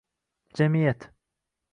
Jamiyat